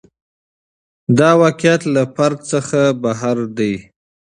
دا واقعیت له فرد څخه بهر دی.